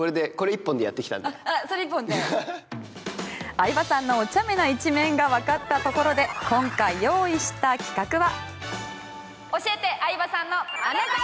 相葉さんのお茶目な一面がわかったところで今回用意した企画は。